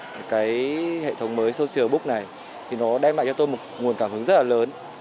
và cái hệ thống mới social book này thì nó đem lại cho tôi một nguồn cảm hứng rất là lớn